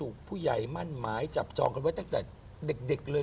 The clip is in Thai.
คุณได้มาทั้งหมดกี่ไร้